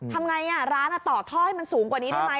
ทำไงร้านต่อท่อให้มันสูงกว่านี้ได้ไหม